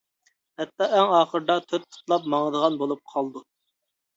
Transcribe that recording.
ھەتتا ئەڭ ئاخىرىدا تۆت پۇتلاپ ماڭىدىغان بولۇپ قالىدۇ.